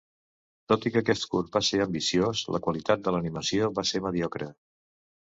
Tot i que aquest curt va ser ambiciós, la qualitat de l'animació va ser mediocre.